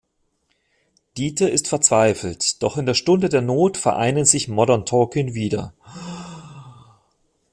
Dieter ist verzweifelt, doch in der Stunde der Not vereinen sich Modern Talking wieder.